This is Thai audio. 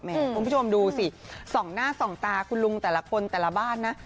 คุณผู้ชมดูสิส่องหน้าส่องตาคุณลุงแต่ละคนแต่ละบ้านนะ